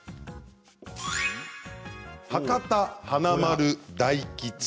博多華丸・大吉